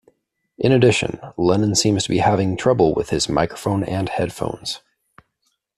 In addition, Lennon seems to be having trouble with his microphone and headphones.